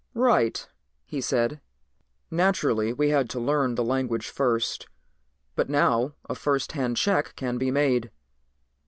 "Right," he said. "Naturally we had to learn the language first, but now a first hand check can be made.